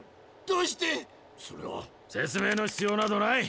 どうして⁉説明の必要などない！